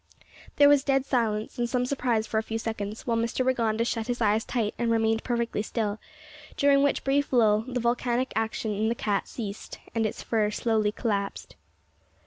There was dead silence, and some surprise for a few seconds, while Mr Rigonda shut his eyes tight and remained perfectly still, during which brief lull the volcanic action in the cat ceased, and its fur slowly collapsed.